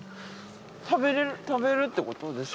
食べられる食べるってことですよね？